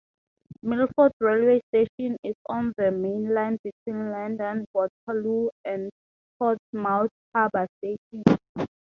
Milford railway station is on the mainline between London Waterloo and Portsmouth Harbour station.